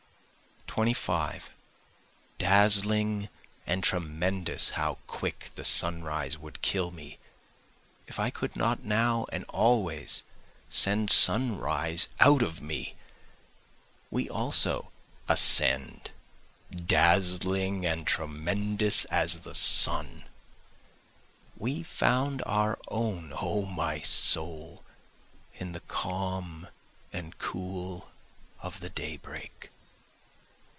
25 Dazzling and tremendous how quick the sun rise would kill me, If I could not now and always send sun rise out of me. We also ascend dazzling and tremendous as the sun, We found our own O my soul in the calm and cool of the daybreak.